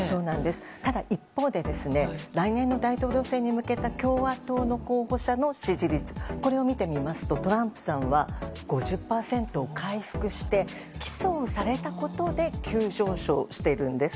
ただ一方で来年の大統領選に向けた共和党の候補者の支持率を見てみますとトランプさんは５０％を回復して起訴をされたことで急上昇しているんです。